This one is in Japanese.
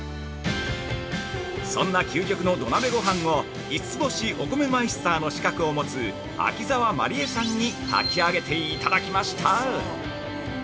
そんな究極の土鍋ごはんを五つ星お米マイスターの資格を持つ秋沢毬衣さんに炊き上げていただきました。